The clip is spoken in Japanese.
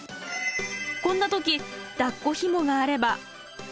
こんな時だっこひもがあれば。